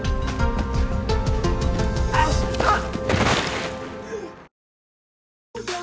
あっあっ！